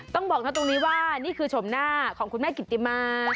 ต้องบอกนะตรงนี้ว่านี่คือชมหน้าของคุณแม่กิตติมา